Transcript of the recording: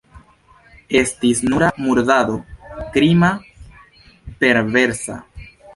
Estis nura murdado, krima, perversa.